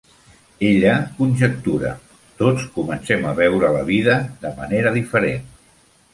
Ella conjectura, tots comencem a veure la vida de manera diferent.